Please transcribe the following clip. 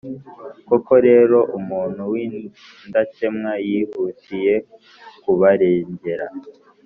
Koko rero, umuntu w’indakemwa yihutiye kubarengera,